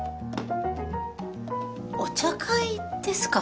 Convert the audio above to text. お茶会ですか？